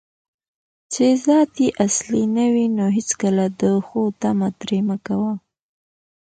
چې ذات یې اصلي نه وي، نو هیڅکله د ښو طمعه ترې مه کوه